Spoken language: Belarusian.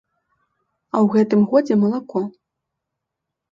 А ў гэтым годзе малако.